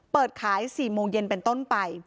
เปิดขาย๔โมงเย็นเป็นต้นไป